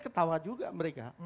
tertawa juga mereka